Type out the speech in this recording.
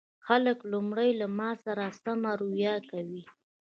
خلک لومړی له ما سره سمه رويه کوي